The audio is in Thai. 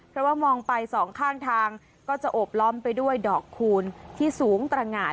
เพราะว่ามองไปสองข้างทางก็จะโอบล้อมไปด้วยดอกคูณที่สูงตรงาน